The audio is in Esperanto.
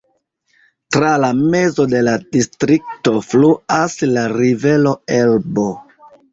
Tra la mezo de la distrikto fluas la rivero Elbo.